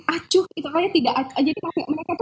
acuh jadi mereka itu